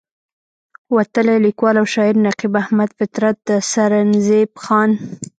وتلے ليکوال او شاعر نقيب احمد فطرت د سرنزېب خان